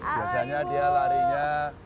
biasanya dia larinya